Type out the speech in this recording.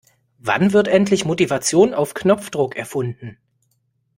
Wann wird endlich Motivation auf Knopfdruck erfunden?